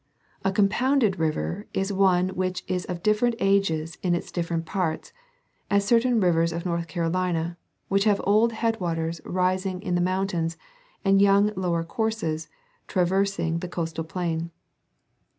A compound river is one which is of different ages in its differ ent parts ; as certain rivers of North Carolina, which have old headwaters rising in the mountains, and young lower courses traversing the coastal plain.